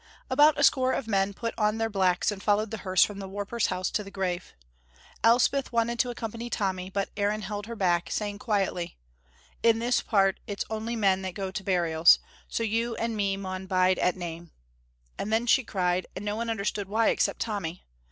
About a score of men put on their blacks and followed the hearse from the warper's house to the grave. Elspeth wanted to accompany Tommy, but Aaron held her back, saying, quietly, "In this part, it's only men that go to burials, so you and me maun bide at name," and then she cried, no one understood why, except Tommy.